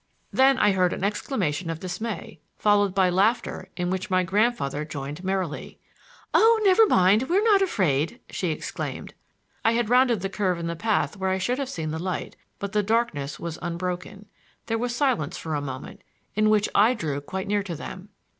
Then I heard an exclamation of dismay followed by laughter in which my grandfather joined merrily. "Oh, never mind; we're not afraid," she exclaimed. I had rounded the curve in the path where I should have seen the light; but the darkness was unbroken. There was silence for a moment, in which I drew quite near to them.